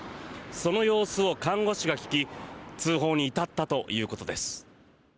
その様子を看護師が聞き通報に至ったということです。